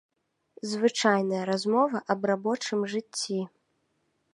Звычайная размова аб рабочым жыцці.